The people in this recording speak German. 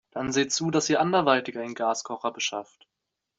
Dann seht zu, dass ihr anderweitig einen Gaskocher beschafft.